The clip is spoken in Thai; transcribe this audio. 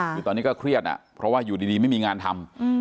คือตอนนี้ก็เครียดเพราะว่าอยู่ดีไม่มีงานทำ